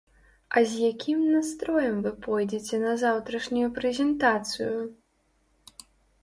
А з якім настроем вы пойдзеце на заўтрашнюю прэзентацыю?